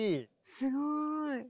すごい。